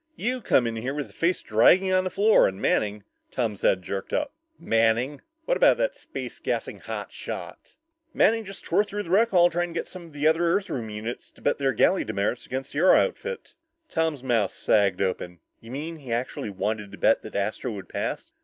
"You come in here with a face dragging on the floor, and Manning " Tom's head jerked up. "Manning! What about that space gassing hot shot?" " Manning just tore through the rec hall trying to get some of the other Earthworm units to bet their galley demerits against your outfit." Tom's mouth sagged open. "You mean, he actually wanted to bet that Astro would pass?"